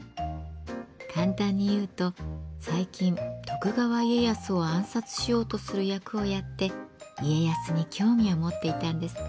簡単に言うと最近徳川家康を暗殺しようとする役をやって家康に興味を持っていたんですって。